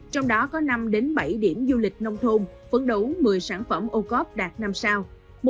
trong đó có năm bảy điểm du lịch nông thôn phấn đấu một mươi sản phẩm ô cóp đạt năm sao